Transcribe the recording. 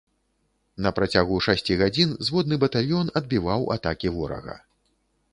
На працягу шасці гадзін зводны батальён адбіваў атакі ворага.